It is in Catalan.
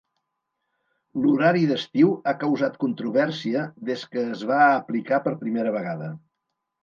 L'horari d'estiu ha causat controvèrsia des que es va aplicar per primera vegada.